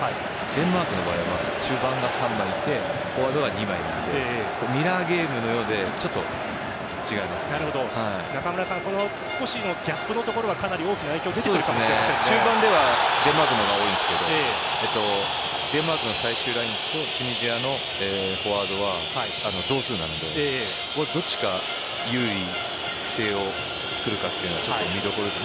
デンマークの場合は中盤が３枚いてフォワードが２枚なのでミラーゲームのようで中村さん少しのギャップのところがかなり大きな影響中盤はデンマークの方が多いですがデンマークの最終ラインとチュニジアのフォワードは同数なのでどっちが優位性を作るかというのは見どころです。